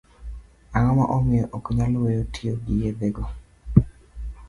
Ang'o ma omiyo okonyal weyo tiyo gi yedhe go?